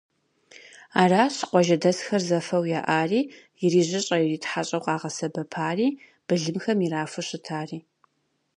Аращ къуажэдэсхэр зэфэу яӏари, ирижьыщӏэ-иритхьэщӏэу къагъэсэбэпари, былымхэм ирафу щытари.